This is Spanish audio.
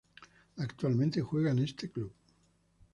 Actualmente juega en este club.